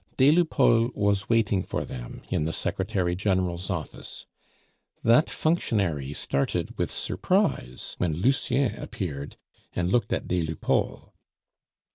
Des Lupeaulx was waiting for them in the Secretary General's office. That functionary started with surprise when Lucien appeared and looked at des Lupeaulx.